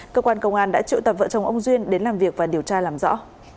cơ quan công an đã triệu tập vợ chồng ông duyên đến làm việc và điều tra làm rõ